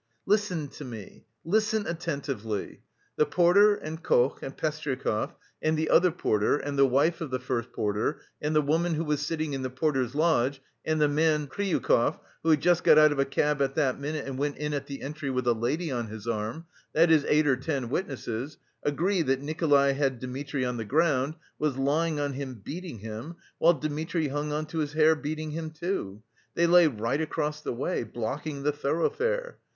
"Listen to me, listen attentively. The porter and Koch and Pestryakov and the other porter and the wife of the first porter and the woman who was sitting in the porter's lodge and the man Kryukov, who had just got out of a cab at that minute and went in at the entry with a lady on his arm, that is eight or ten witnesses, agree that Nikolay had Dmitri on the ground, was lying on him beating him, while Dmitri hung on to his hair, beating him, too. They lay right across the way, blocking the thoroughfare.